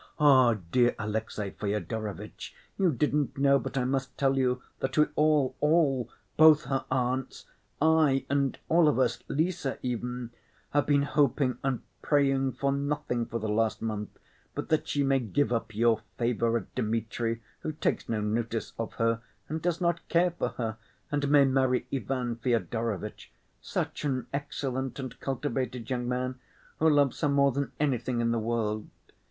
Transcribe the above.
Dear Alexey Fyodorovitch, you didn't know, but I must tell you, that we all, all—both her aunts, I and all of us, Lise, even—have been hoping and praying for nothing for the last month but that she may give up your favorite Dmitri, who takes no notice of her and does not care for her, and may marry Ivan Fyodorovitch—such an excellent and cultivated young man, who loves her more than anything in the world.